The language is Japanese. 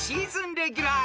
レギュラー